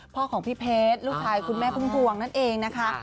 พ่อของพี่เพชรลูกชายคุณแม่พุ่มพวงนั่นเองนะคะ